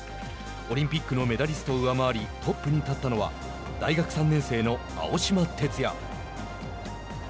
オリンピックのメダリストを上回りトップに立ったのは大学３年生の青島鉄也。